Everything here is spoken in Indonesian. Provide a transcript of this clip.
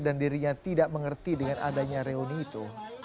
dan dirinya tidak mengerti dengan adanya reuni itu